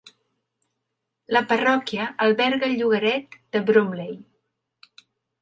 La parròquia alberga el llogaret de Bromley.